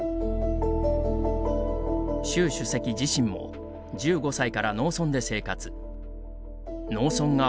習主席自身も１５歳から農村で生活。